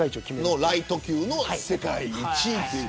そのライト級の世界一位という。